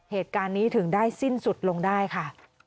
เหตุการณ์นี้ถึงได้สิ้นสุดลงได้ค่ะ